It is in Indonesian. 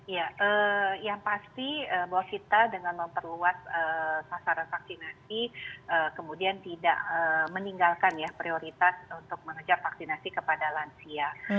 ya yang pasti bahwa kita dengan memperluas tasaran vaksinasi kemudian tidak meninggalkan prioritas untuk mengejar vaksinasi kepada lansia